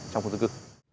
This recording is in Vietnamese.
trong khu dân cư